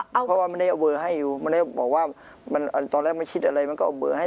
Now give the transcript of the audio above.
เพราะว่าไม่ได้เอาเบอร์ให้อยู่ไม่ได้บอกว่ามันตอนแรกไม่คิดอะไรมันก็เอาเบอร์ให้